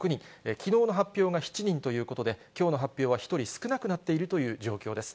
きのうの発表が７人ということで、きょうの発表は１人少なくなっているという状況です。